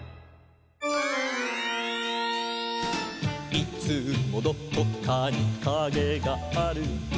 「いつもどこかにカゲがある」